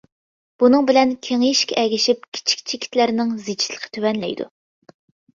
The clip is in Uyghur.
بۇنىڭ بىلەن، كېڭىيىشكە ئەگىشىپ، كىچىك چېكىتلەرنىڭ زىچلىقى تۆۋەنلەيدۇ.